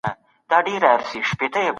ډیپلوماسي د شخړو تر ټولو ښه لاره ده.